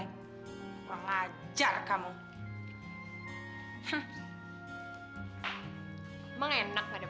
yang gak ada